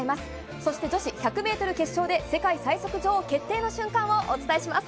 そして女子１００メートル決勝で、世界最速女王決定の瞬間をお伝えします。